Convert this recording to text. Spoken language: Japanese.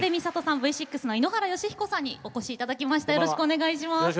Ｖ６の井ノ原快彦さんにお越しいただきました。